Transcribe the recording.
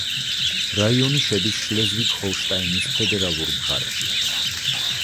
რაიონი შედის შლეზვიგ-ჰოლშტაინის ფედერალურ მხარეში.